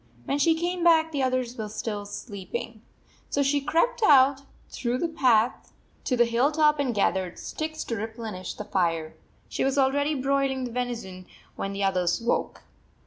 When she came back, the others were still sleeping. So she crept out through the path 127 to the hill top and gathered sticks to re plenish the fire. She was already broiling the venison when the others woke.